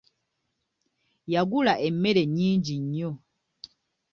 Yagula emmere nnyingi nnyo.